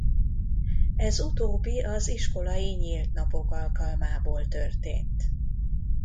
Ez utóbbi az Iskolai Nyílt Napok alkalmából történt.